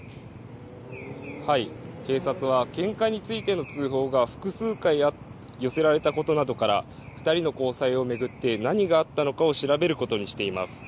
警察はけんかについての通報が複数回寄せられたことなどから２人の交際を巡って何があったのかを調べることにしています。